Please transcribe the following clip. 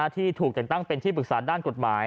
ที่ถูกแต่งตั้งเป็นที่ปรึกษาด้านกฎหมาย